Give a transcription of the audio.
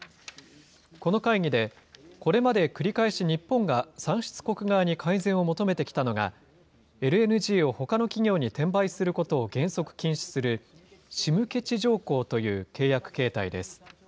この会議で、これまで繰り返し日本が産出国側に改善を求めてきたのが、ＬＮＧをほかの企業に転売することを原則禁止する、仕向地条項といわれる契約形態です。